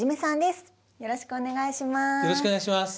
よろしくお願いします。